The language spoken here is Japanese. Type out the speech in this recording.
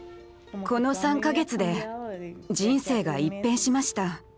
この３か月で人生が一変しました。